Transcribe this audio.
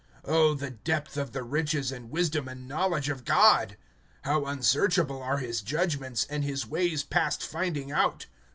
(33)Oh, the depth of the riches, and wisdom, and knowledge of God! How unsearchable are his judgments, and his ways past finding out!